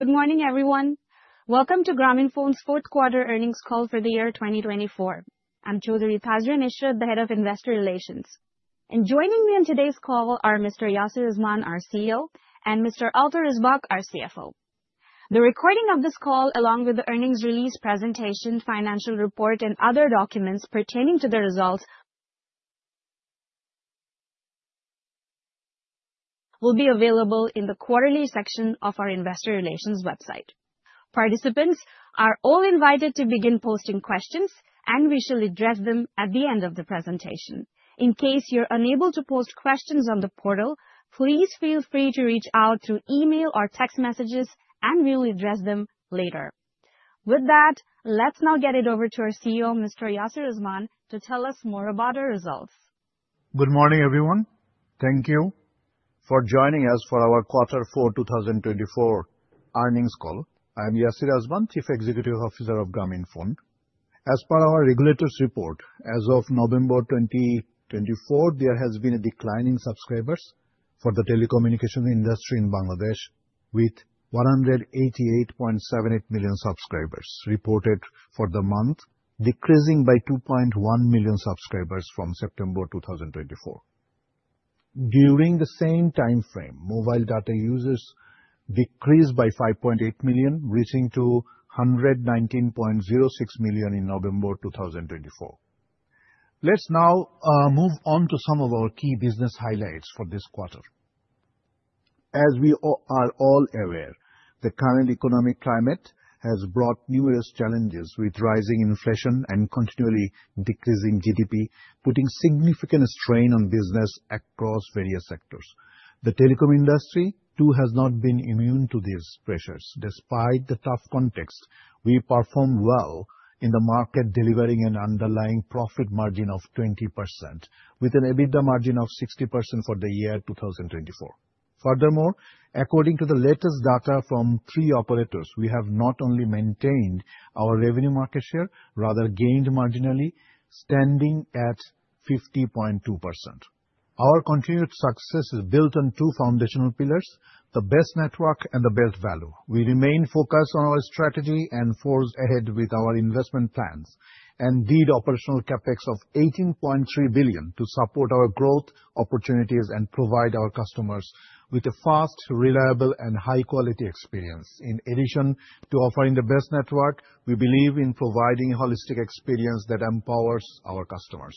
Good morning, everyone. Welcome to Grameenphone's Fourth Quarter Earnings Call for the Year 2024. I'm Chowdhury Tazrian Israt, the Head of Investor Relations, and joining me on today's call are Mr. Yasir Azman, our CEO, and Mr. Otto Risbakk, our CFO. The recording of this call, along with the earnings release presentation, financial report, and other documents pertaining to the results, will be available in the quarterly section of our investor relations website. Participants are all invited to begin posting questions, and we shall address them at the end of the presentation. In case you're unable to post questions on the portal, please feel free to reach out through email or text messages, and we'll address them later. With that, let's now get it over to our CEO, Mr. Yasir Azman, to tell us more about our results. Good morning, everyone. Thank you for joining us for our Q4 2024 earnings call. I'm Yasir Azman, Chief Executive Officer of Grameenphone. As per our regulators' report, as of November 2024, there has been a decline in subscribers for the telecommunications industry in Bangladesh, with 188.78 million subscribers reported for the month, decreasing by 2.1 million subscribers from September 2024. During the same timeframe, mobile data users decreased by 5.8 million, reaching 119.06 million in November 2024. Let's now move on to some of our key business highlights for this quarter. As we are all aware, the current economic climate has brought numerous challenges, with rising inflation and continually decreasing GDP putting significant strain on business across various sectors. The telecom industry, too, has not been immune to these pressures. Despite the tough context, we performed well in the market, delivering an underlying profit margin of 20%, with an EBITDA margin of 60% for the year 2024. Furthermore, according to the latest data from three operators, we have not only maintained our revenue market share, rather, gained marginally, standing at 50.2%. Our continued success is built on two foundational pillars: the best network and the best value. We remain focused on our strategy and forge ahead with our investment plans, and had operational CapEx of BDT 18.3 billion to support our growth opportunities and provide our customers with a fast, reliable, and high-quality experience. In addition to offering the best network, we believe in providing a holistic experience that empowers our customers.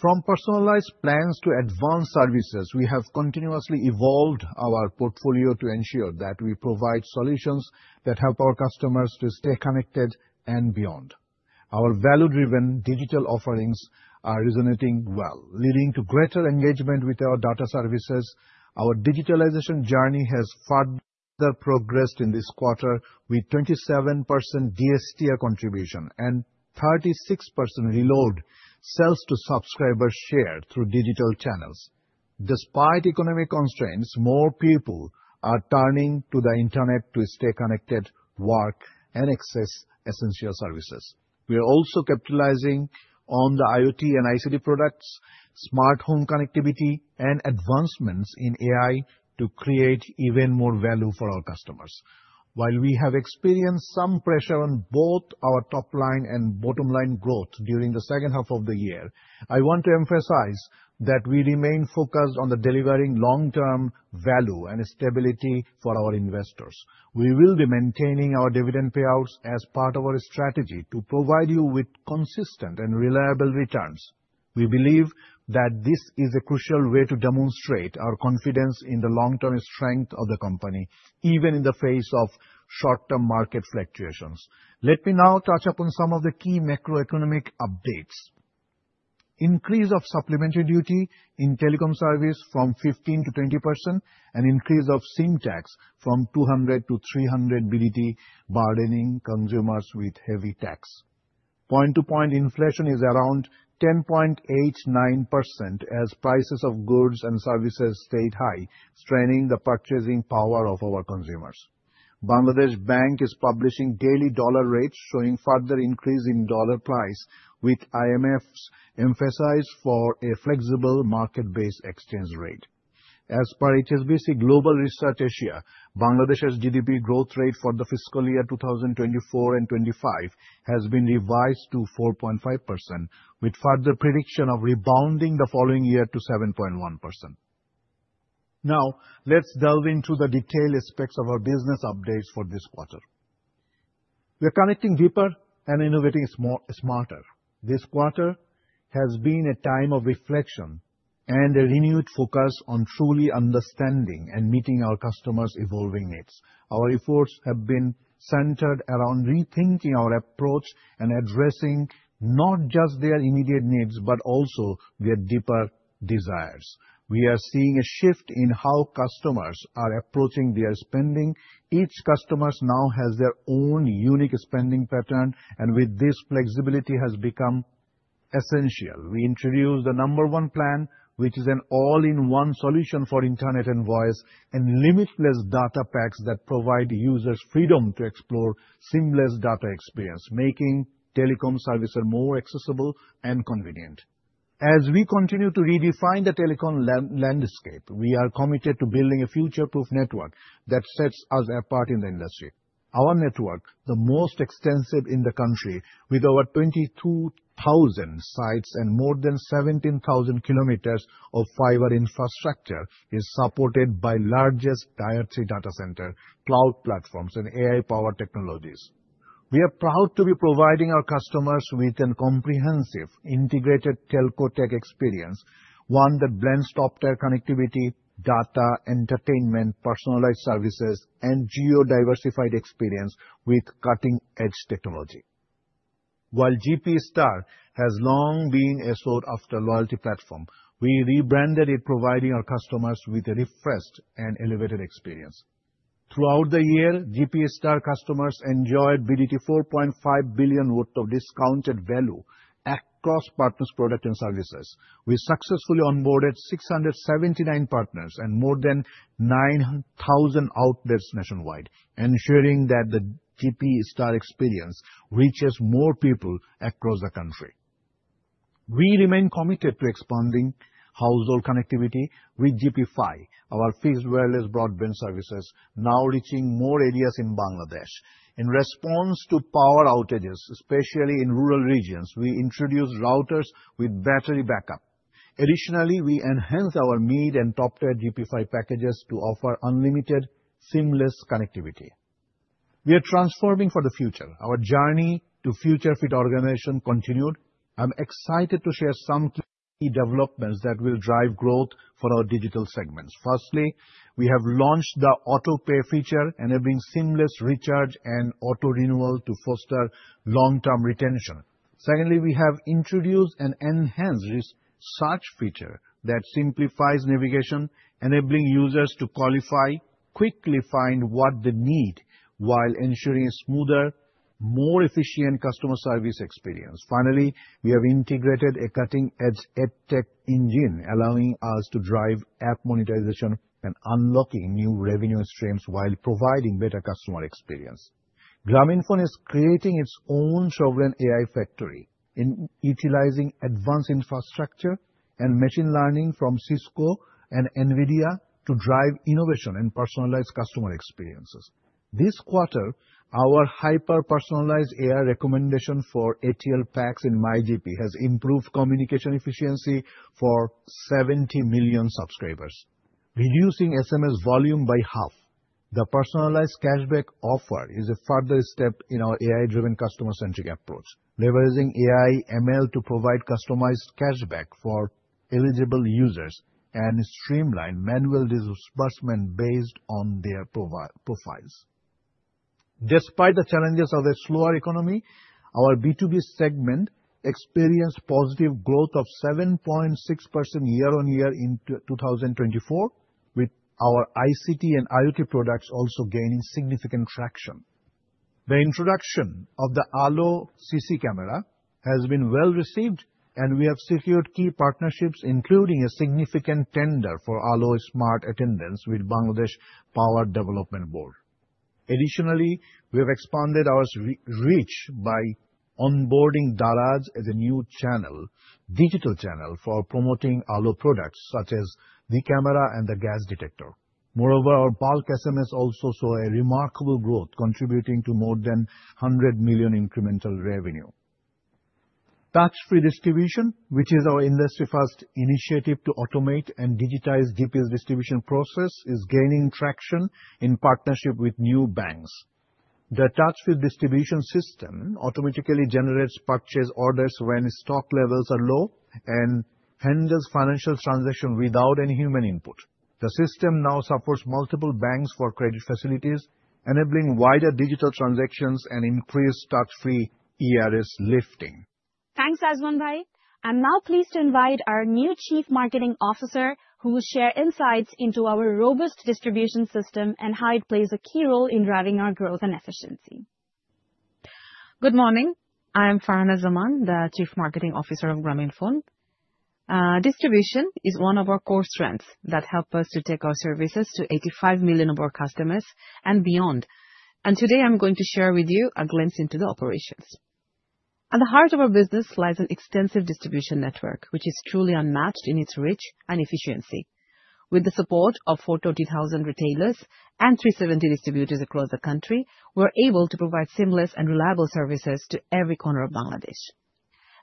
From personalized plans to advanced services, we have continuously evolved our portfolio to ensure that we provide solutions that help our customers to stay connected and beyond. Our value-driven digital offerings are resonating well, leading to greater engagement with our data services. Our digitalization journey has further progressed in this quarter, with 27% DSTR contribution and 36% reload sales-to-subscriber share through digital channels. Despite economic constraints, more people are turning to the internet to stay connected, work, and access essential services. We are also capitalizing on the IoT and ICT products, smart home connectivity, and advancements in AI to create even more value for our customers. While we have experienced some pressure on both our top-line and bottom-line growth during the second half of the year, I want to emphasize that we remain focused on delivering long-term value and stability for our investors. We will be maintaining our dividend payouts as part of our strategy to provide you with consistent and reliable returns. We believe that this is a crucial way to demonstrate our confidence in the long-term strength of the company, even in the face of short-term market fluctuations. Let me now touch upon some of the key macroeconomic updates: increase of supplementary duty in telecom service from 15%-20%, and increase of SIM tax from BDT 200-300, burdening consumers with heavy tax. Point-to-point inflation is around 10.89% as prices of goods and services stay high, straining the purchasing power of our consumers. Bangladesh Bank is publishing daily dollar rates, showing further increase in dollar price, with IMF's emphasis for a flexible market-based exchange rate. As per HSBC Global Research Asia, Bangladesh's GDP growth rate for the fiscal year 2024 and 2025 has been revised to 4.5%, with further prediction of rebounding the following year to 7.1%. Now, let's delve into the detailed aspects of our business updates for this quarter. We are connecting deeper and innovating smarter. This quarter has been a time of reflection and a renewed focus on truly understanding and meeting our customers' evolving needs. Our efforts have been centered around rethinking our approach and addressing not just their immediate needs, but also their deeper desires. We are seeing a shift in how customers are approaching their spending. Each customer now has their own unique spending pattern, and with this, flexibility has become essential. We introduced the Number One Plan, which is an all-in-one solution for internet and voice, and Limitless data packs that provide users freedom to explore seamless data experience, making telecom services more accessible and convenient. As we continue to redefine the telecom landscape, we are committed to building a future-proof network that sets us apart in the industry. Our network, the most extensive in the country, with over 22,000 sites and more than 17,000 kilometers of fiber infrastructure, is supported by the largest tier-three data center, cloud platforms, and AI-powered technologies. We are proud to be providing our customers with a comprehensive integrated telco tech experience, one that blends top-tier connectivity, data, entertainment, personalized services, and geo-diversified experience with cutting-edge technology. While GPStar has long been a sought-after loyalty platform, we rebranded it, providing our customers with a refreshed and elevated experience. Throughout the year, GPStar customers enjoyed BDT 4.5 billion worth of discounted value across partners' products and services. We successfully onboarded 679 partners and more than 9,000 outlets nationwide, ensuring that the GPStar experience reaches more people across the country. We remain committed to expanding household connectivity with GPFi, our fixed wireless broadband services, now reaching more areas in Bangladesh. In response to power outages, especially in rural regions, we introduced routers with battery backup. Additionally, we enhanced our mid and top-tier GPFi packages to offer unlimited seamless connectivity. We are transforming for the future. Our journey to future-fit organization continued. I'm excited to share some key developments that will drive growth for our digital segments. Firstly, we have launched the AutoPay feature, enabling seamless recharge and auto-renewal to foster long-term retention. Secondly, we have introduced an enhanced search feature that simplifies navigation, enabling users to qualify quickly, find what they need, while ensuring a smoother, more efficient customer service experience. Finally, we have integrated a cutting-edge edtech engine, allowing us to drive app monetization and unlocking new revenue streams while providing better customer experience. Grameenphone is creating its own sovereign AI factory, utilizing advanced infrastructure and machine learning from Cisco and NVIDIA to drive innovation and personalized customer experiences. This quarter, our hyper-personalized AI recommendation for ATL packs in MyGP has improved communication efficiency for 70 million subscribers, reducing SMS volume by half. The personalized cashback offer is a further step in our AI-driven customer-centric approach, leveraging AI/ML to provide customized cashback for eligible users and streamline manual disbursement based on their profiles. Despite the challenges of a slower economy, our B2B segment experienced positive growth of 7.6% year-on-year in 2024, with our ICT and IoT products also gaining significant traction. The introduction of the Alo CC camera has been well received, and we have secured key partnerships, including a significant tender for Alo Smart Attendance with Bangladesh Power Development Board. Additionally, we have expanded our reach by onboarding Daraz as a new digital channel for promoting Alo products such as the camera and the gas detector. Moreover, our bulk SMS also saw a remarkable growth, contributing to more than BDT 100 million incremental revenue. Touch-free distribution, which is our industry-first initiative to automate and digitize GP's distribution processes, is gaining traction in partnership with new banks. The touch-free distribution system automatically generates purchase orders when stock levels are low and handles financial transactions without any human input. The system now supports multiple banks for credit facilities, enabling wider digital transactions and increased touch-free ERS lifting. Thanks, Azman Bhai. I'm now pleased to invite our new Chief Marketing Officer, who will share insights into our robust distribution system and how it plays a key role in driving our growth and efficiency. Good morning. I'm Farha Naz Zaman, the Chief Marketing Officer of Grameenphone. Distribution is one of our core strengths that helps us to take our services to 85 million of our customers and beyond. And today, I'm going to share with you a glimpse into the operations. At the heart of our business lies an extensive distribution network, which is truly unmatched in its reach and efficiency. With the support of 420,000 retailers and 370 distributors across the country, we're able to provide seamless and reliable services to every corner of Bangladesh.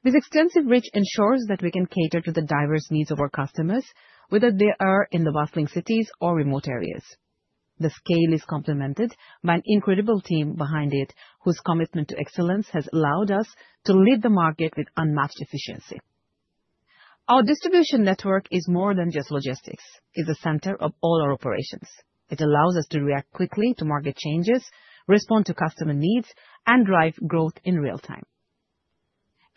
This extensive reach ensures that we can cater to the diverse needs of our customers, whether they are in the bustling cities or remote areas. The scale is complemented by an incredible team behind it, whose commitment to excellence has allowed us to lead the market with unmatched efficiency. Our distribution network is more than just logistics. It is the center of all our operations. It allows us to react quickly to market changes, respond to customer needs, and drive growth in real time.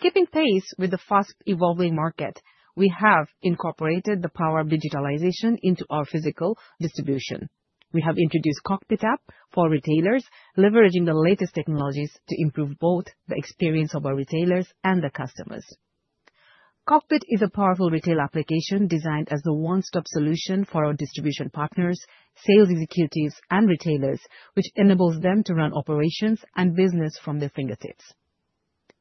Keeping pace with the fast-evolving market, we have incorporated the power of digitalization into our physical distribution. We have introduced Cockpit app for retailers, leveraging the latest technologies to improve both the experience of our retailers and the customers. Cockpit is a powerful retail application designed as the one-stop solution for our distribution partners, sales executives, and retailers, which enables them to run operations and business from their fingertips.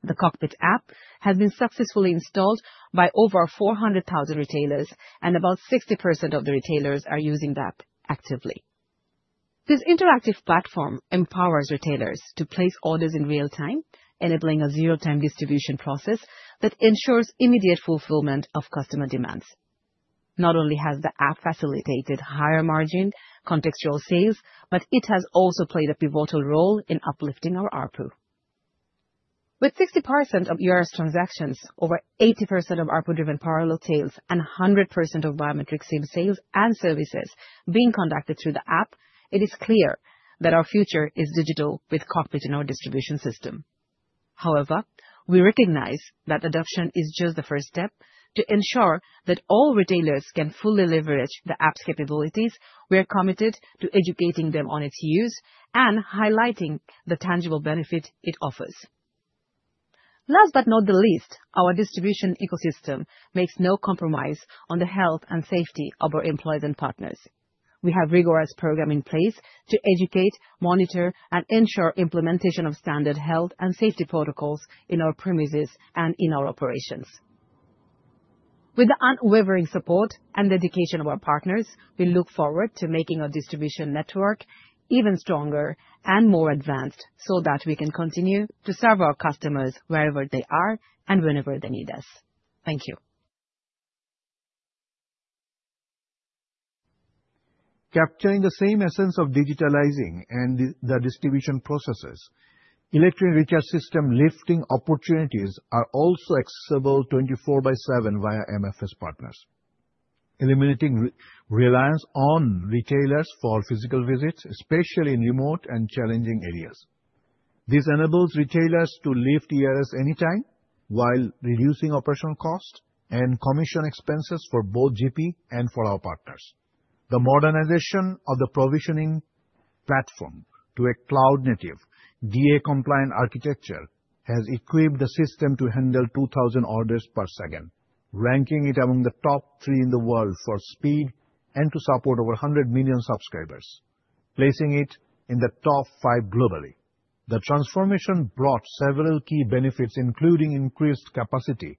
The Cockpit app has been successfully installed by over 400,000 retailers, and about 60% of the retailers are using the app actively. This interactive platform empowers retailers to place orders in real time, enabling a zero-time distribution process that ensures immediate fulfillment of customer demands. Not only has the app facilitated higher margin contextual sales, but it has also played a pivotal role in uplifting our ARPU. With 60% of ERS transactions, over 80% of ARPU-driven parallel sales, and 100% of biometric SIM sales and services being conducted through the app, it is clear that our future is digital with Cockpit in our distribution system. However, we recognize that adoption is just the first step to ensure that all retailers can fully leverage the app's capabilities. We are committed to educating them on its use and highlighting the tangible benefit it offers. Last but not the least, our distribution ecosystem makes no compromise on the health and safety of our employees and partners. We have rigorous programming in place to educate, monitor, and ensure implementation of standard health and safety protocols in our premises and in our operations. With the unwavering support and dedication of our partners, we look forward to making our distribution network even stronger and more advanced so that we can continue to serve our customers wherever they are and whenever they need us. Thank you. Capturing the same essence of digitalizing and the distribution processes, electronic recharge system lifting opportunities are also accessible 24/7 via MFS partners, eliminating reliance on retailers for physical visits, especially in remote and challenging areas. This enables retailers to lift ERS anytime while reducing operational costs and commission expenses for both GP and for our partners. The modernization of the provisioning platform to a cloud-native ODA-compliant architecture has equipped the system to handle 2,000 orders per second, ranking it among the top three in the world for speed and to support over 100 million subscribers, placing it in the top five globally. The transformation brought several key benefits, including increased capacity,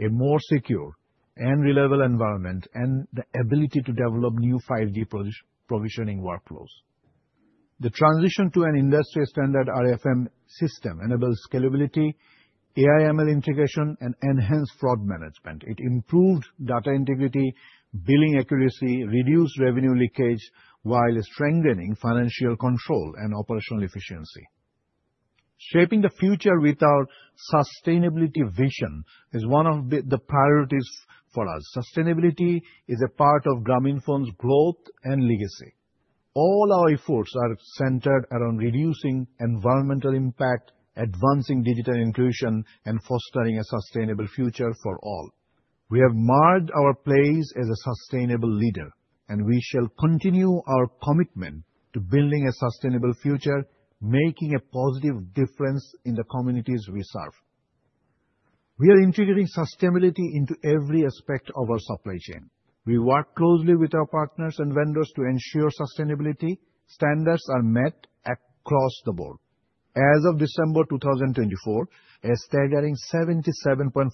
a more secure and reliable environment, and the ability to develop new 5G provisioning workflows. The transition to an industry-standard RAFM system enables scalability, AI/ML integration, and enhanced fraud management. It improved data integrity, billing accuracy, reduced revenue leakage, while strengthening financial control and operational efficiency. Shaping the future with our sustainability vision is one of the priorities for us. Sustainability is a part of Grameenphone's growth and legacy. All our efforts are centered around reducing environmental impact, advancing digital inclusion, and fostering a sustainable future for all. We have marked our place as a sustainable leader, and we shall continue our commitment to building a sustainable future, making a positive difference in the communities we serve. We are integrating sustainability into every aspect of our supply chain. We work closely with our partners and vendors to ensure sustainability standards are met across the board. As of December 2024, a staggering 77.5%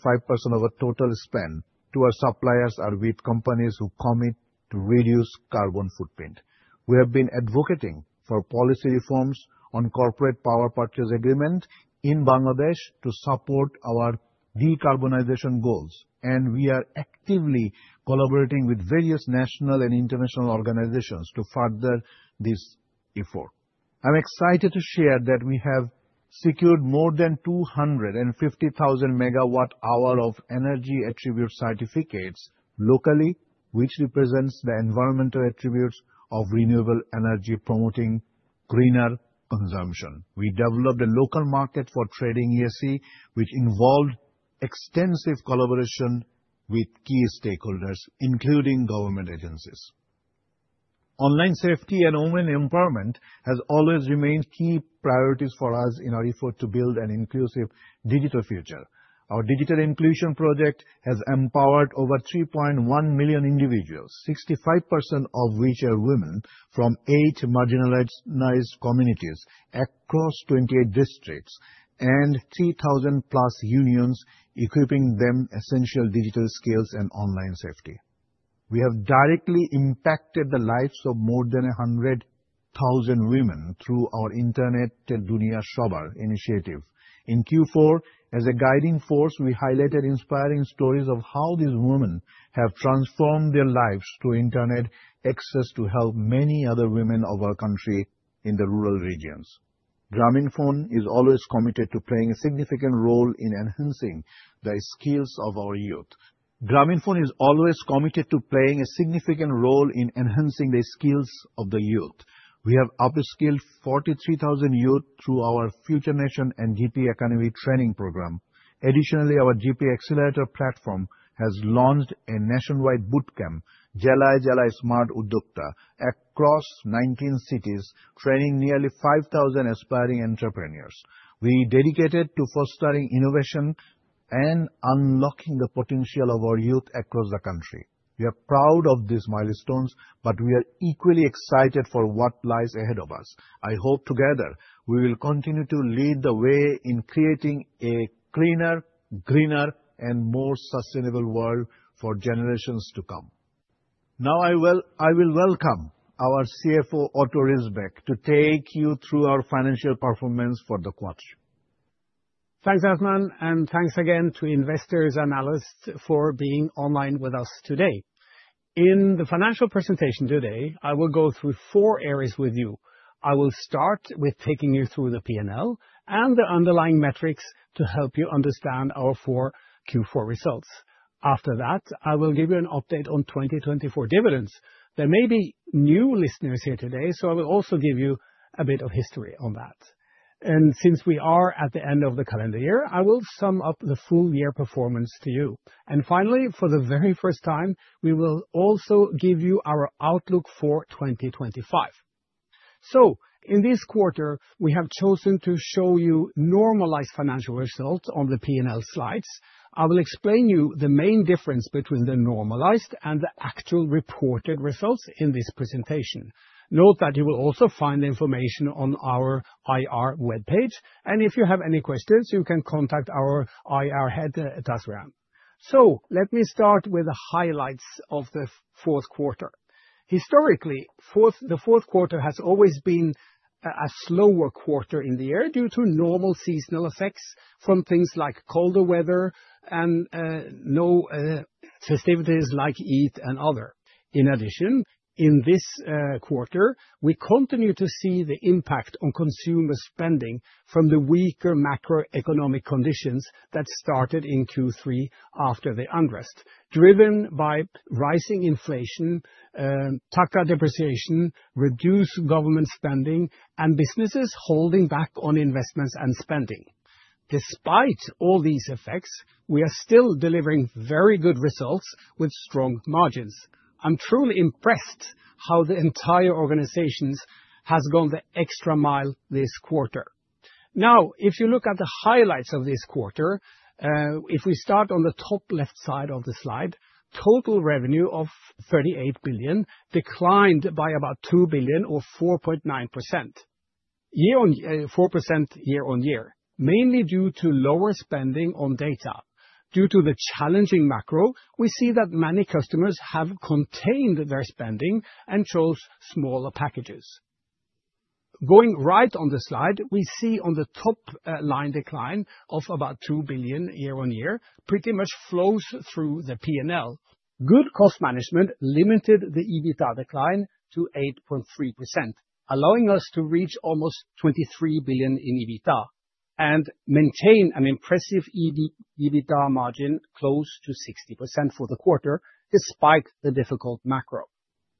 of our total spend to our suppliers are with companies who commit to reduce carbon footprint. We have been advocating for policy reforms on corporate power purchase agreements in Bangladesh to support our decarbonization goals, and we are actively collaborating with various national and international organizations to further this effort. I'm excited to share that we have secured more than 250,000 megawatt-hours of energy attribute certificates locally, which represents the environmental attributes of renewable energy promoting greener consumption. We developed a local market for trading EAC, which involved extensive collaboration with key stakeholders, including government agencies. Online safety and online empowerment have always remained key priorities for us in our effort to build an inclusive digital future. Our digital inclusion project has empowered over 3.1 million individuals, 65% of which are women from eight marginalized communities across 28 districts and 3,000-plus unions, equipping them with essential digital skills and online safety. We have directly impacted the lives of more than 100,000 women through our Internet Duniya Sobar initiative. In Q4, as a guiding force, we highlighted inspiring stories of how these women have transformed their lives through internet access to help many other women of our country in the rural regions. Grameenphone is always committed to playing a significant role in enhancing the skills of our youth. We have upskilled 43,000 youth through our Future Nation and GP Academy training program. Additionally, our GP Accelerator platform has launched a nationwide bootcamp, Zillay Zillay Smart Uddokta, across 19 cities, training nearly 5,000 aspiring entrepreneurs. We are dedicated to fostering innovation and unlocking the potential of our youth across the country. We are proud of these milestones, but we are equally excited for what lies ahead of us. I hope together we will continue to lead the way in creating a cleaner, greener, and more sustainable world for generations to come. Now, I will welcome our CFO, Otto Risbakk, to take you through our financial performance for the quarter. Thanks, Yasir Azman, and thanks again to investors and analysts for being online with us today. In the financial presentation today, I will go through four areas with you. I will start with taking you through the P&L and the underlying metrics to help you understand our Q4 results. After that, I will give you an update on 2024 dividends. There may be new listeners here today, so I will also give you a bit of history on that, and since we are at the end of the calendar year, I will sum up the full year performance to you, and finally, for the very first time, we will also give you our outlook for 2025, so in this quarter, we have chosen to show you normalized financial results on the P&L slides. I will explain to you the main difference between the normalized and the actual reported results in this presentation. Note that you will also find the information on our IR webpage, and if you have any questions, you can contact our IR head, Tazrian, so let me start with the highlights of the fourth quarter. Historically, the fourth quarter has always been a slower quarter in the year due to normal seasonal effects from things like colder weather and no festivities like Eid and others. In addition, in this quarter, we continue to see the impact on consumer spending from the weaker macroeconomic conditions that started in Q3 after the unrest, driven by rising inflation, Taka depreciation, reduced government spending, and businesses holding back on investments and spending. Despite all these effects, we are still delivering very good results with strong margins. I'm truly impressed how the entire organization has gone the extra mile this quarter. Now, if you look at the highlights of this quarter, if we start on the top left side of the slide, total revenue of BDT 38 billion declined by about BDT 2 billion, or 4.9% year on year, mainly due to lower spending on data. Due to the challenging macro, we see that many customers have contained their spending and chose smaller packages. Going right on the slide, we see on the top line decline of about BDT 2 billion year on year, pretty much flows through the P&L. Good cost management limited the EBITDA decline to 8.3%, allowing us to reach almost BDT 23 billion in EBITDA and maintain an impressive EBITDA margin close to 60% for the quarter, despite the difficult macro.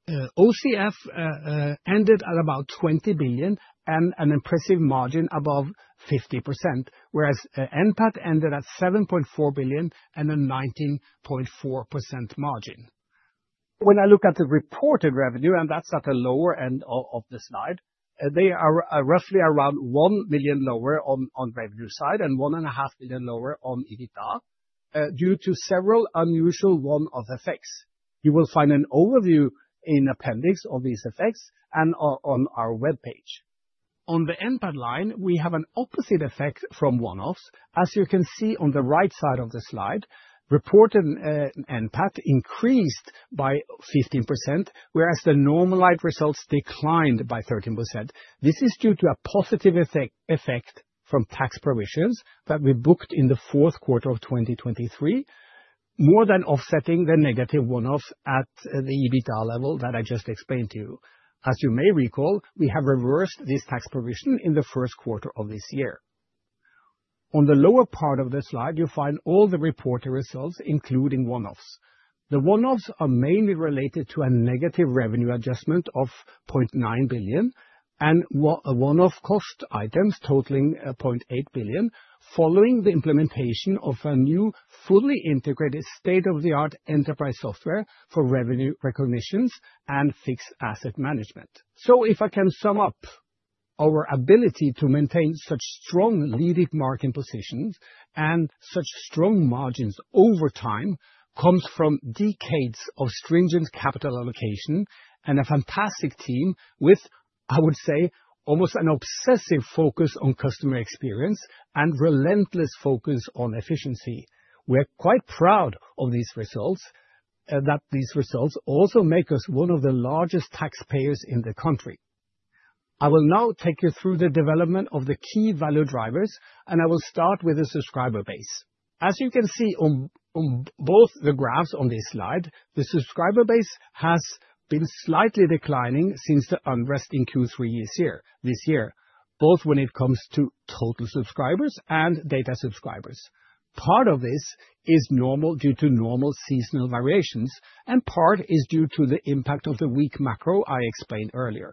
OCF ended at about BDT 20 billion and an impressive margin above 50%, whereas NPAT ended at BDT 7.4 billion and a 19.4% margin. When I look at the reported revenue, and that's at the lower end of the slide, they are roughly around BDT 1 million lower on revenue side and BDT 1.5 million lower on EBITDA due to several unusual one-off effects. You will find an overview in appendix on these effects and on our webpage. On the NPAT line, we have an opposite effect from one-offs. As you can see on the right side of the slide, reported NPAT increased by 15%, whereas the normalized results declined by 13%. This is due to a positive effect from tax provisions that we booked in the fourth quarter of 2023, more than offsetting the negative one-off at the EBITDA level that I just explained to you. As you may recall, we have reversed this tax provision in the first quarter of this year. On the lower part of the slide, you find all the reported results, including one-offs. The one-offs are mainly related to a negative revenue adjustment of BDT 0.9 billion and one-off cost items totaling BDT 0.8 billion following the implementation of a new fully integrated state-of-the-art enterprise software for revenue recognitions and fixed asset management. So if I can sum up, our ability to maintain such strong leading market positions and such strong margins over time comes from decades of stringent capital allocation and a fantastic team with, I would say, almost an obsessive focus on customer experience and relentless focus on efficiency. We are quite proud of these results, that these results also make us one of the largest taxpayers in the country. I will now take you through the development of the key value drivers, and I will start with the subscriber base. As you can see on both the graphs on this slide, the subscriber base has been slightly declining since the unrest in Q3 this year, both when it comes to total subscribers and data subscribers. Part of this is normal due to normal seasonal variations, and part is due to the impact of the weak macro I explained earlier.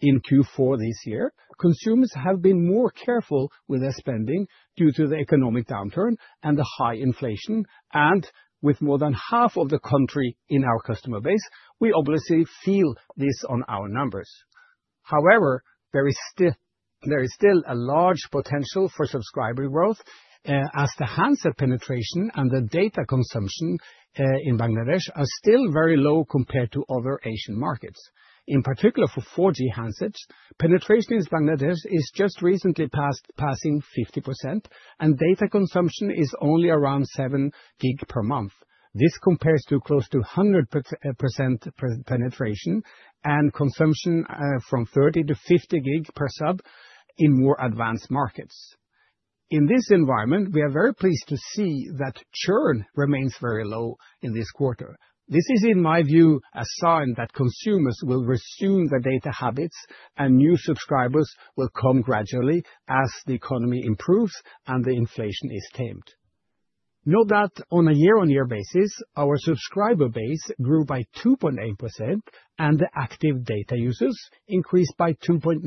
In Q4 this year, consumers have been more careful with their spending due to the economic downturn and the high inflation, and with more than half of the country in our customer base, we obviously feel this on our numbers. However, there is still a large potential for subscriber growth, as the handset penetration and the data consumption in Bangladesh are still very low compared to other Asian markets. In particular, for 4G handsets, penetration in Bangladesh is just recently passing 50%, and data consumption is only around 7 gig per month. This compares to close to 100% penetration and consumption from 30-50 gig per sub in more advanced markets. In this environment, we are very pleased to see that churn remains very low in this quarter. This is, in my view, a sign that consumers will resume their data habits and new subscribers will come gradually as the economy improves and the inflation is tamed. Note that on a year-on-year basis, our subscriber base grew by 2.8% and the active data users increased by 2.9%.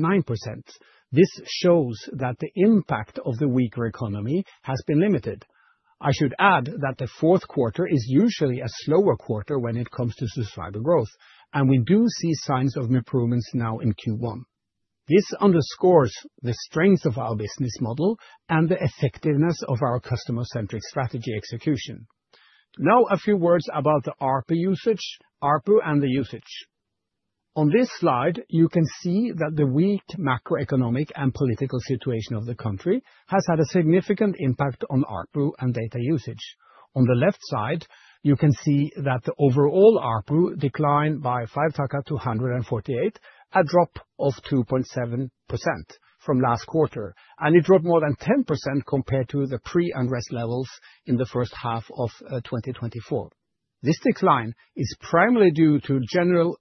This shows that the impact of the weaker economy has been limited. I should add that the fourth quarter is usually a slower quarter when it comes to subscriber growth, and we do see signs of improvements now in Q1. This underscores the strength of our business model and the effectiveness of our customer-centric strategy execution. Now, a few words about the ARPU usage, ARPU and the usage. On this slide, you can see that the weak macroeconomic and political situation of the country has had a significant impact on ARPU and data usage. On the left side, you can see that the overall ARPU declined by BDT 5.248, a drop of 2.7% from last quarter, and it dropped more than 10% compared to the pre-unrest levels in the first half of 2024. This decline is primarily due to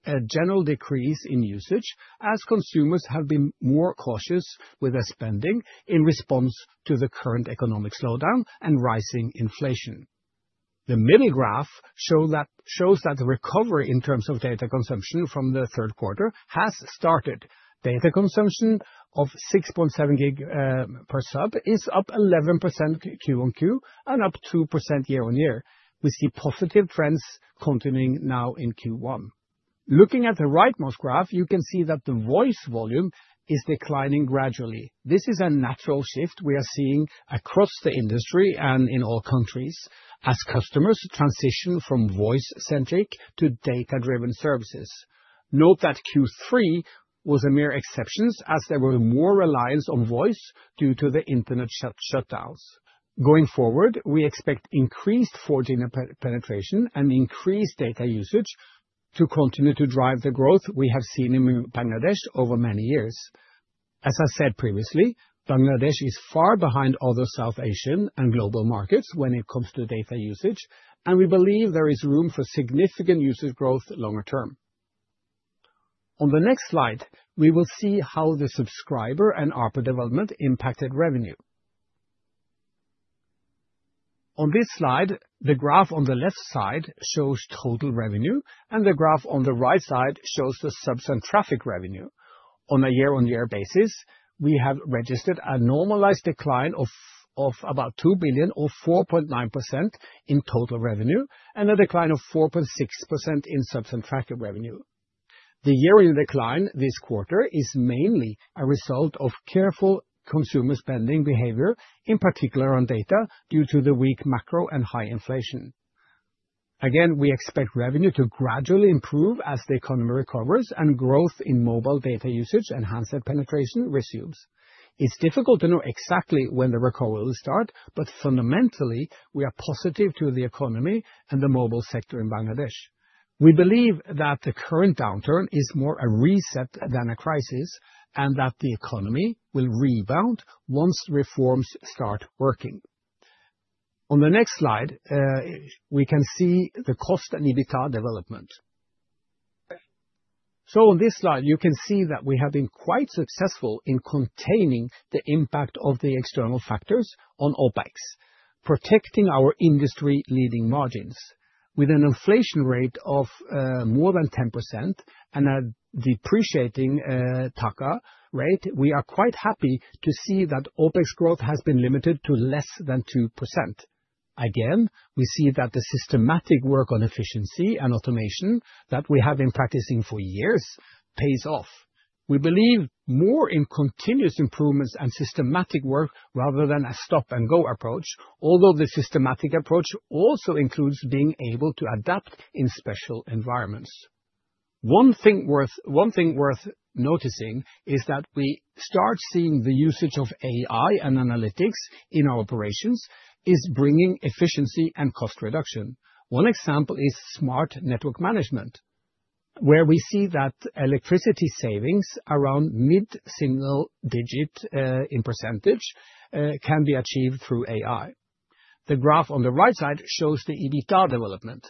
a general decrease in usage, as consumers have been more cautious with their spending in response to the current economic slowdown and rising inflation. The middle graph shows that the recovery in terms of data consumption from the third quarter has started. Data consumption of 6.7 gig per sub is up 11% QoQ and up 2% year on year. We see positive trends continuing now in Q1. Looking at the rightmost graph, you can see that the voice volume is declining gradually. This is a natural shift we are seeing across the industry and in all countries as customers transition from voice-centric to data-driven services. Note that Q3 was a mere exception, as there was more reliance on voice due to the internet shutdowns. Going forward, we expect increased 4G penetration and increased data usage to continue to drive the growth we have seen in Bangladesh over many years. As I said previously, Bangladesh is far behind other South Asian and global markets when it comes to data usage, and we believe there is room for significant usage growth longer term. On the next slide, we will see how the subscriber and ARPU development impacted revenue. On this slide, the graph on the left side shows total revenue, and the graph on the right side shows the subs and traffic revenue. On a year-on-year basis, we have registered a normalized decline of about BDT 2 billion, or 4.9%, in total revenue and a decline of 4.6% in subs and traffic revenue. The year-on-year decline this quarter is mainly a result of careful consumer spending behavior, in particular on data, due to the weak macro and high inflation. Again, we expect revenue to gradually improve as the economy recovers and growth in mobile data usage and handset penetration resumes. It's difficult to know exactly when the recovery will start, but fundamentally, we are positive to the economy and the mobile sector in Bangladesh. We believe that the current downturn is more a reset than a crisis and that the economy will rebound once reforms start working. On the next slide, we can see the cost and EBITDA development. So on this slide, you can see that we have been quite successful in containing the impact of the external factors on OpEx, protecting our industry leading margins. With an inflation rate of more than 10% and a depreciating Taka rate, we are quite happy to see that OpEx growth has been limited to less than 2%. Again, we see that the systematic work on efficiency and automation that we have been practicing for years pays off. We believe more in continuous improvements and systematic work rather than a stop-and-go approach, although the systematic approach also includes being able to adapt in special environments. One thing worth noticing is that we start seeing the usage of AI and analytics in our operations is bringing efficiency and cost reduction. One example is smart network management, where we see that electricity savings around mid-single digit % can be achieved through AI. The graph on the right side shows the EBITDA development.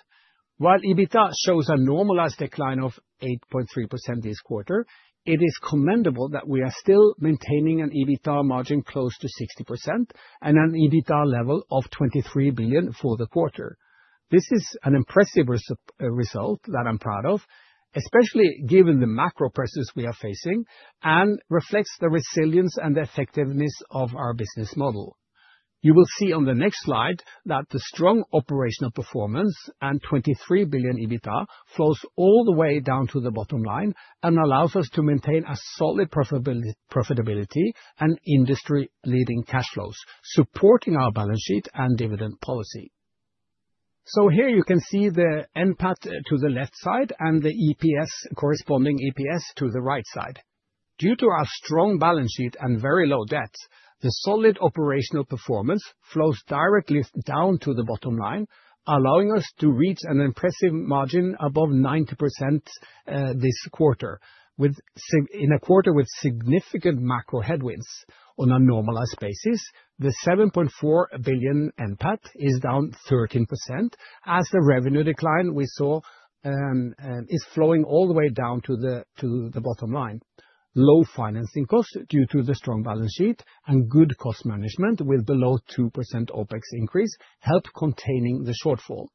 While EBITDA shows a normalized decline of 8.3% this quarter, it is commendable that we are still maintaining an EBITDA margin close to 60% and an EBITDA level of BDT 23 billion for the quarter. This is an impressive result that I'm proud of, especially given the macro pressures we are facing and reflects the resilience and the effectiveness of our business model. You will see on the next slide that the strong operational performance and BDT 23 billion EBITDA flows all the way down to the bottom line and allows us to maintain a solid profitability and industry-leading cash flows, supporting our balance sheet and dividend policy. So here you can see the NPAT to the left side and the corresponding EPS to the right side. Due to our strong balance sheet and very low debt, the solid operational performance flows directly down to the bottom line, allowing us to reach an impressive margin above 90% this quarter, in a quarter with significant macro headwinds. On a normalized basis, the BDT 7.4 billion NPAT is down 13%, as the revenue decline we saw is flowing all the way down to the bottom line. Low financing costs due to the strong balance sheet and good cost management with below 2% OpEx increase help containing the shortfall.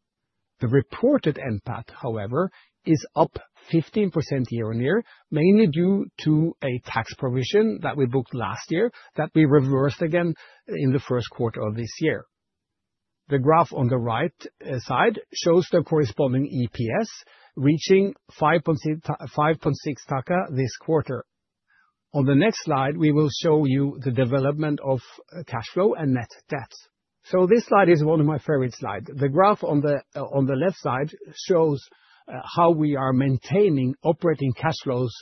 The reported NPAT, however, is up 15% year on year, mainly due to a tax provision that we booked last year that we reversed again in the first quarter of this year. The graph on the right side shows the corresponding EPS reaching 5.6 Taka this quarter. On the next slide, we will show you the development of cash flow and net debt, so this slide is one of my favorite slides. The graph on the left side shows how we are maintaining operating cash flows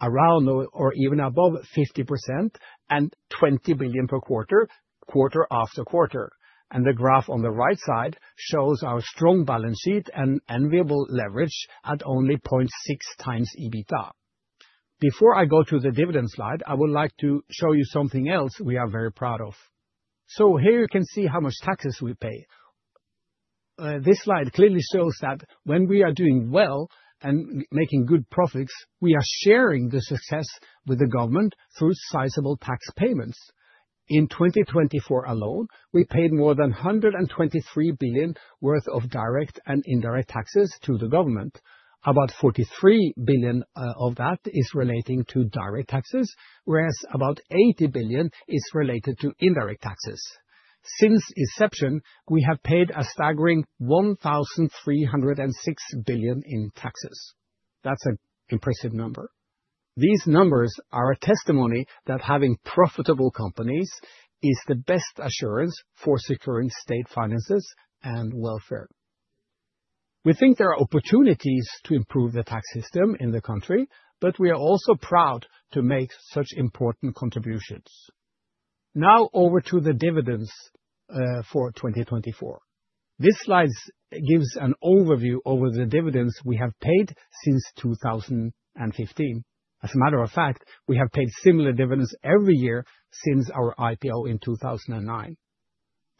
around or even above 50% and BDT 20 billion per quarter, quarter after quarter, and the graph on the right side shows our strong balance sheet and enviable leverage at only 0.6 times EBITDA. Before I go to the dividend slide, I would like to show you something else we are very proud of. So here you can see how much taxes we pay. This slide clearly shows that when we are doing well and making good profits, we are sharing the success with the government through sizable tax payments. In 2024 alone, we paid more than BDT 123 billion worth of direct and indirect taxes to the government. About BDT 43 billion of that is relating to direct taxes, whereas about BDT 80 billion is related to indirect taxes. Since inception, we have paid a staggering BDT 1,306 billion in taxes. That's an impressive number. These numbers are a testimony that having profitable companies is the best assurance for securing state finances and welfare. We think there are opportunities to improve the tax system in the country, but we are also proud to make such important contributions. Now over to the dividends for 2024. This slide gives an overview over the dividends we have paid since 2015. As a matter of fact, we have paid similar dividends every year since our IPO in 2009.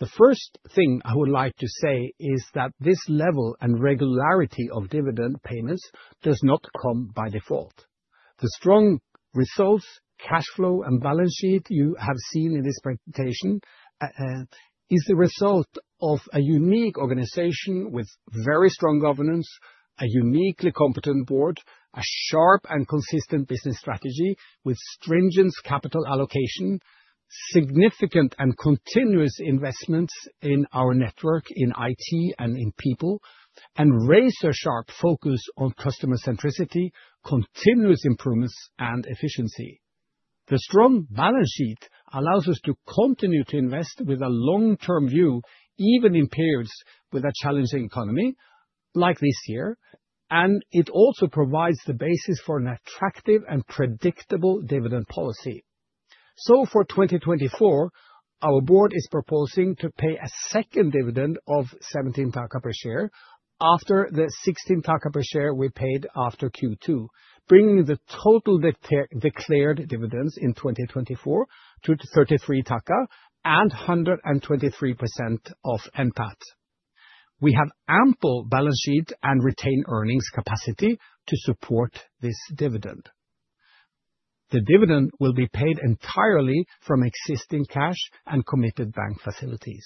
The first thing I would like to say is that this level and regularity of dividend payments does not come by default. The strong results, cash flow, and balance sheet you have seen in this presentation is the result of a unique organization with very strong governance, a uniquely competent board, a sharp and consistent business strategy with stringent capital allocation, significant and continuous investments in our network, in IT and in people, and razor-sharp focus on customer centricity, continuous improvements, and efficiency. The strong balance sheet allows us to continue to invest with a long-term view, even in periods with a challenging economy like this year, and it also provides the basis for an attractive and predictable dividend policy. For 2024, our board is proposing to pay a second dividend of 17 Taka per share after the 16 Taka per share we paid after Q2, bringing the total declared dividends in 2024 to 33 Taka and 123% of NPAT. We have ample balance sheet and retained earnings capacity to support this dividend. The dividend will be paid entirely from existing cash and committed bank facilities.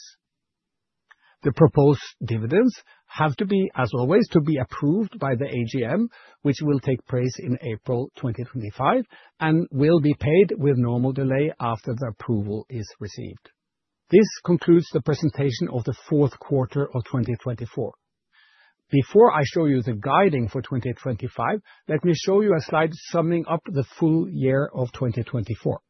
The proposed dividends have to be, as always, approved by the AGM, which will take place in April 2025 and will be paid with normal delay after the approval is received. This concludes the presentation of the fourth quarter of 2024. Before I show you the guidance for 2025, let me show you a slide summing up the full year of 2024.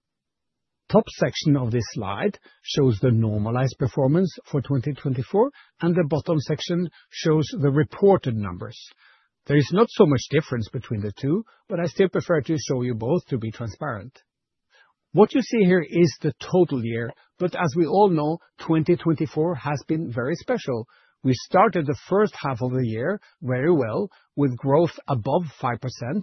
The top section of this slide shows the normalized performance for 2024, and the bottom section shows the reported numbers. There is not so much difference between the two, but I still prefer to show you both to be transparent. What you see here is the total year, but as we all know, 2024 has been very special. We started the first half of the year very well with growth above 5%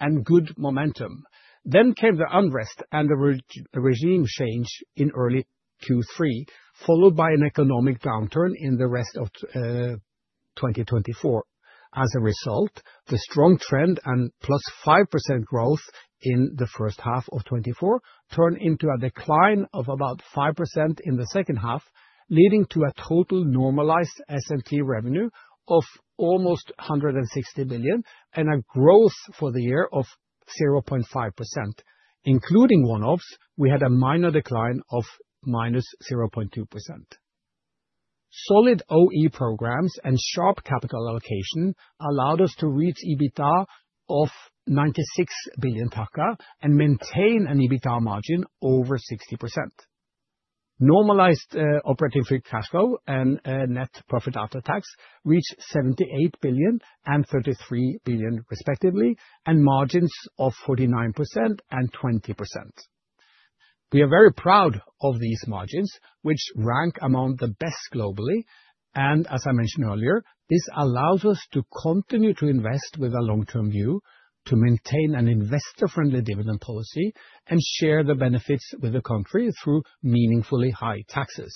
and good momentum. Then came the unrest and the regime change in early Q3, followed by an economic downturn in the rest of 2024. As a result, the strong trend and plus 5% growth in the first half of 2024 turned into a decline of about 5% in the second half, leading to a total normalized S&T revenue of almost BDT 160 billion and a growth for the year of 0.5%. Including one-offs, we had a minor decline of minus 0.2%. Solid OpEx programs and sharp capital allocation allowed us to reach EBITDA of BDT 96 billion Taka and maintain an EBITDA margin over 60%. Normalized operating free cash flow and net profit after tax reached BDT 78 billion and BDT 33 billion respectively, and margins of 49% and 20%. We are very proud of these margins, which rank among the best globally, and as I mentioned earlier, this allows us to continue to invest with a long-term view, to maintain an investor-friendly dividend policy, and share the benefits with the country through meaningfully high taxes.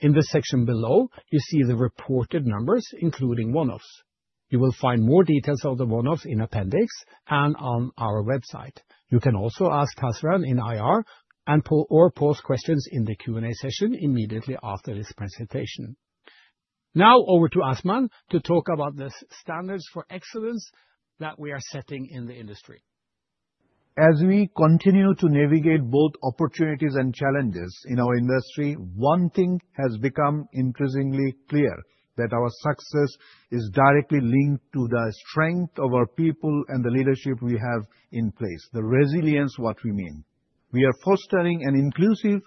In the section below, you see the reported numbers, including one-offs. You will find more details of the one-offs in the appendix and on our website. You can also ask Israt in IR and/or post questions in the Q&A session immediately after this presentation. Now over to Azman to talk about the standards for excellence that we are setting in the industry. As we continue to navigate both opportunities and challenges in our industry, one thing has become increasingly clear: that our success is directly linked to the strength of our people and the leadership we have in place, the resilience of our team. We are fostering an inclusive,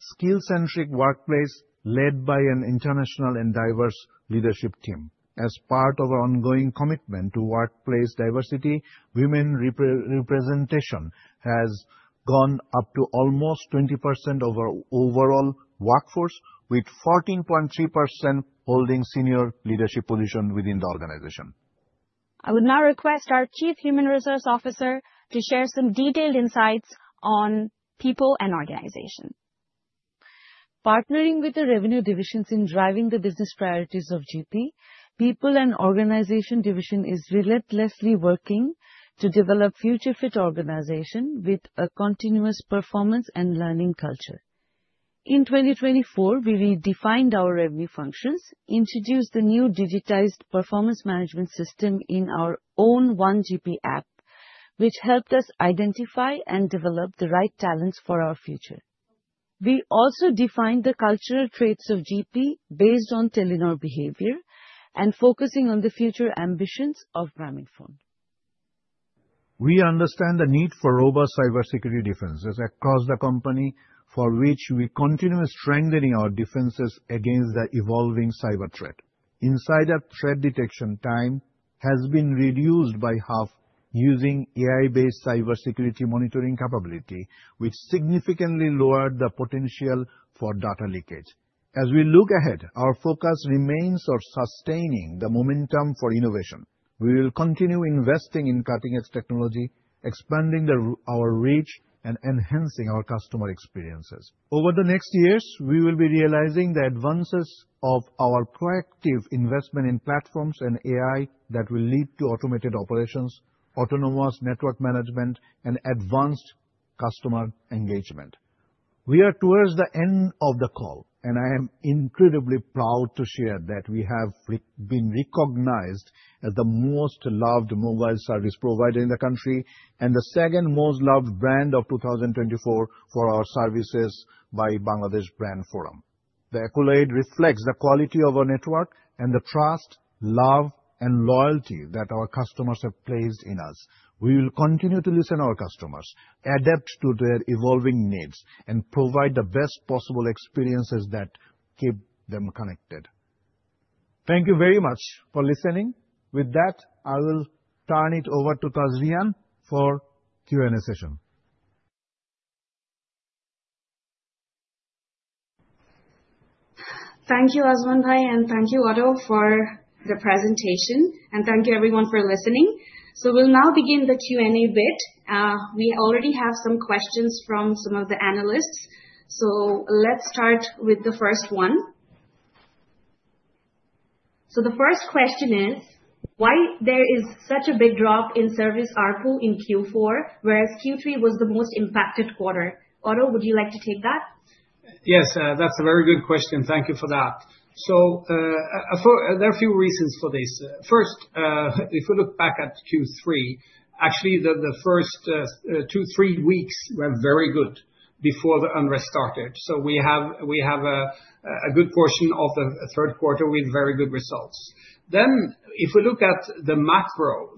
skill-centric workplace led by an international and diverse leadership team. As part of our ongoing commitment to workplace diversity, women representation has gone up to almost 20% of our overall workforce, with 14.3% holding senior leadership positions within the organization. I would now request our Chief Human Resource Officer to share some detailed insights on people and organization. Partnering with the revenue divisions in driving the business priorities of GP, the people and organization division is relentlessly working to develop a future-fit organization with a continuous performance and learning culture. In 2024, we redefined our revenue functions, introduced the new digitized performance management system in our own OneGP app, which helped us identify and develop the right talents for our future. We also defined the cultural traits of GP based on Telenor behavior and focusing on the future ambitions of Grameenphone. We understand the need for robust cybersecurity defenses across the company, for which we continue strengthening our defenses against the evolving cyber threat. Insider threat detection time has been reduced by half using AI-based cybersecurity monitoring capability, which significantly lowered the potential for data leakage. As we look ahead, our focus remains on sustaining the momentum for innovation. We will continue investing in cutting-edge technology, expanding our reach, and enhancing our customer experiences. Over the next years, we will be realizing the advances of our proactive investment in platforms and AI that will lead to automated operations, autonomous network management, and advanced customer engagement. We are towards the end of the call, and I am incredibly proud to share that we have been recognized as the most loved mobile service provider in the country and the second most loved brand of 2024 for our services by the Bangladesh Brand Forum. The accolade reflects the quality of our network and the trust, love, and loyalty that our customers have placed in us. We will continue to listen to our customers, adapt to their evolving needs, and provide the best possible experiences that keep them connected. Thank you very much for listening. With that, I will turn it over to Tazrian for the Q&A session. Thank you, Yasir Azman, and thank you, Otto, for the presentation. And thank you, everyone, for listening. So we'll now begin the Q&A bit. We already have some questions from some of the analysts. So let's start with the first one. So the first question is, why is there such a big drop in service ARPU in Q4, whereas Q3 was the most impacted quarter? Otto, would you like to take that? Yes, that's a very good question. Thank you for that. So there are a few reasons for this. First, if we look back at Q3, actually, the first two to three weeks were very good before the unrest started. So we have a good portion of the third quarter with very good results. Then, if we look at the macro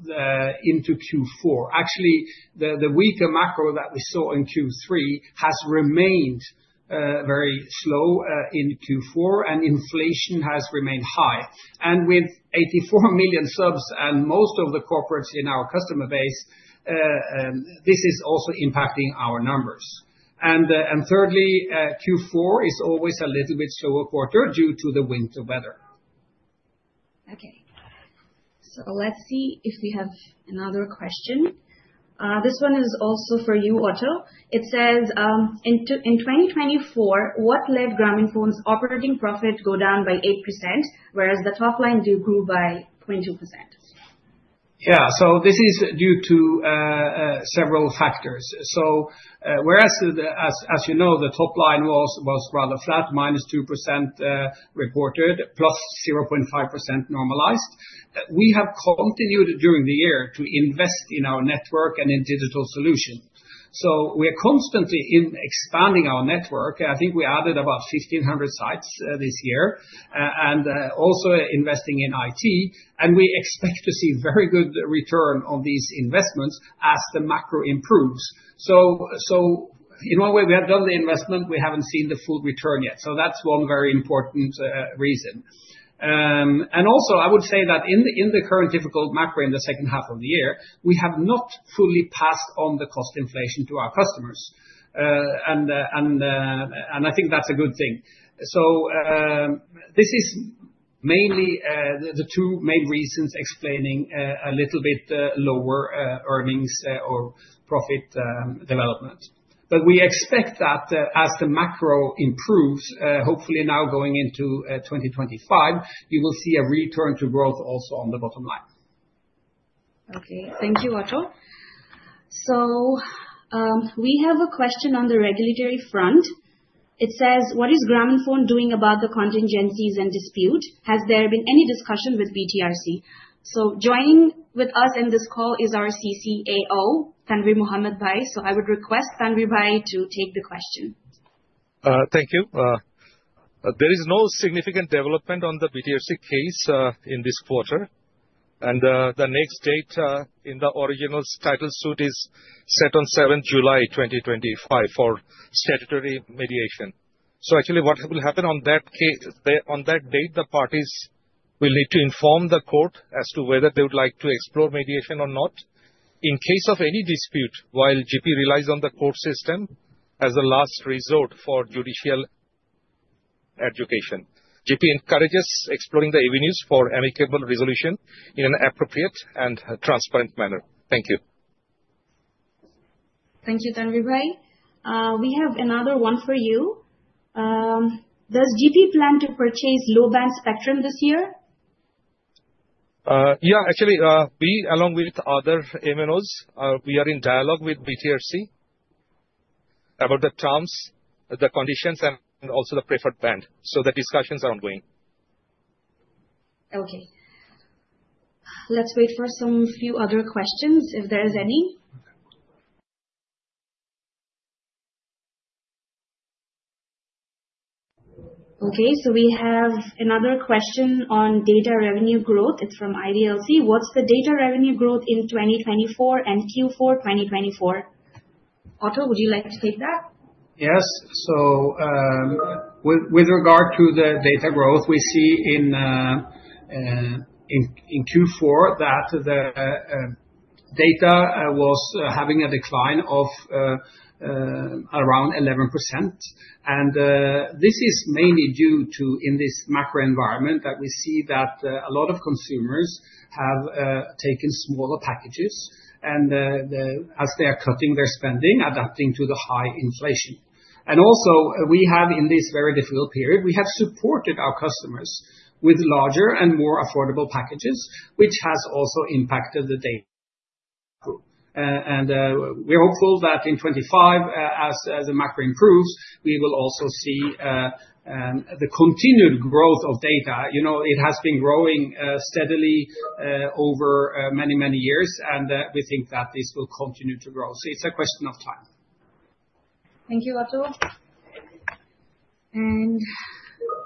into Q4, actually, the weaker macro that we saw in Q3 has remained very slow in Q4, and inflation has remained high, and with 84 million subs and most of the corporates in our customer base, this is also impacting our numbers, and thirdly, Q4 is always a little bit slower quarter due to the winter weather. Okay, so let's see if we have another question. This one is also for you, Otto. It says, in 2024, what led Grameenphone's operating profit to go down by 8%, whereas the top line grew by 22%? Yeah, so this is due to several factors. So whereas, as you know, the top line was rather flat, -2% reported, +0.5% normalized. We have continued during the year to invest in our network and in digital solutions. So we are constantly expanding our network. I think we added about 1,500 sites this year and also investing in IT. And we expect to see very good returns on these investments as the macro improves. So in one way, we have done the investment. We haven't seen the full return yet. So that's one very important reason. And also, I would say that in the current difficult macro in the second half of the year, we have not fully passed on the cost inflation to our customers. And I think that's a good thing. So this is mainly the two main reasons explaining a little bit lower earnings or profit development. But we expect that as the macro improves, hopefully now going into 2025, you will see a return to growth also on the bottom line. Okay, thank you, Otto. So we have a question on the regulatory front. It says, "What is Grameenphone doing about the contingencies and dispute? Has there been any discussion with BTRC?" So joining with us in this call is our CCAO, Tanveer Mohammad Bhai. So I would request Tanveer Bhai to take the question. Thank you. There is no significant development on the BTRC case in this quarter. And the next date in the original title suit is set on 7 July 2025 for statutory mediation. So actually, what will happen on that date, the parties will need to inform the court as to whether they would like to explore mediation or not. In case of any dispute, while GP relies on the court system as a last resort for judicial adjudication, GP encourages exploring the avenues for amicable resolution in an appropriate and transparent manner. Thank you. Thank you, Tanveer Bhai. We have another one for you. Does GP plan to purchase low-band spectrum this year? Yeah, actually, we, along with other MNOs, we are in dialogue with BTRC about the terms, the conditions, and also the preferred band, so the discussions are ongoing. Okay. Let's wait for some few other questions if there are any. Okay, so we have another question on data revenue growth. It's from IDLC. What's the data revenue growth in 2024 and Q4 2024? Otto, would you like to take that? Yes. So with regard to the data growth we see in Q4, that the data was having a decline of around 11%. And this is mainly due to, in this macro environment, that we see that a lot of consumers have taken smaller packages and, as they are cutting their spending, adapting to the high inflation. And also, we have, in this very difficult period, we have supported our customers with larger and more affordable packages, which has also impacted the data growth. And we're hopeful that in 2025, as the macro improves, we will also see the continued growth of data. You know, it has been growing steadily over many, many years, and we think that this will continue to grow. So it's a question of time. Thank you, Otto. And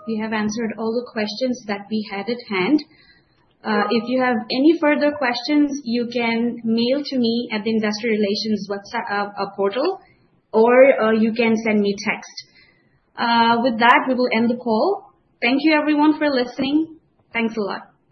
we have answered all the questions that we had at hand. If you have any further questions, you can mail to me at the investor relations portal, or you can send me a text. With that, we will end the call. Thank you, everyone, for listening. Thanks a lot.